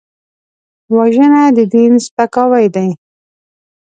وژنه د دین سپکاوی دی